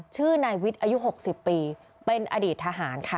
ชื่อนายวิทย์อายุ๖๐ปีเป็นอดีตทหารค่ะ